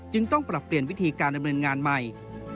ต้องปรับเปลี่ยนวิธีการดำเนินงานใหม่